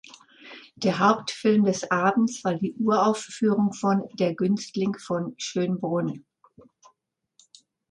Der Hauptfilm des Abends war die Uraufführung von „Der Günstling von Schönbrunn“.